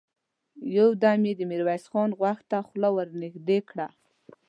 يودم يې د ميرويس خان غوږ ته خوله ور نږدې کړه!